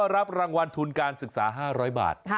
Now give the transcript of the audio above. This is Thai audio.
รับรางวัลทุนการศึกษา๕๐๐บาท